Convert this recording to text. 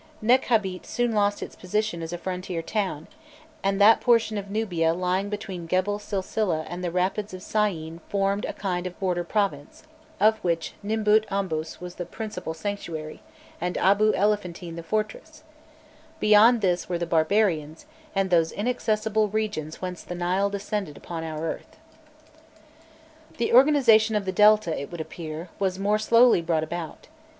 Nekhabît soon lost its position as a frontier town, and that portion of Nubia lying between Gebel Silsileh and the rapids of Syene formed a kind of border province, of which Nubît Ombos was the principal sanctuary and Abu Elephantine the fortress: beyond this were the barbarians, and those inaccessible regions whence the Nile descended upon our earth. The organization of the Delta, it would appear, was more slowly brought about.